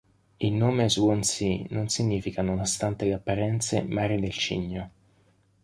Il nome Swansea non significa, nonostante le apparenze, mare del cigno.